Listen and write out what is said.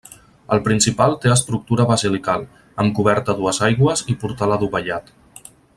El principal té estructura basilical, amb coberta a dues aigües i portal adovellat.